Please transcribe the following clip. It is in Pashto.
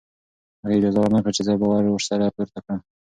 هغې اجازه ورنکړه چې زه بار ورسره پورته کړم.